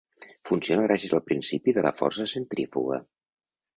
Funciona gràcies al principi de la força centrífuga.